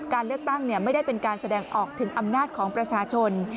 การเลือกตั้งไม่ได้เป็นการแสดงออกถึงอำนาจของประชาชน